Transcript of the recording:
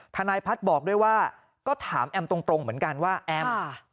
ทนายพัฒน์บอกด้วยว่าก็ถามแอมตรงเหมือนกันว่าแอม